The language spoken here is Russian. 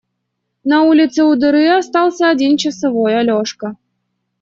На улице у дыры остался один часовой – Алешка.